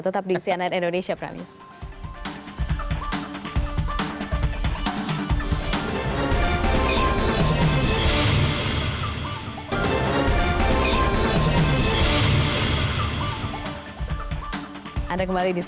tetap di cnn indonesia pramius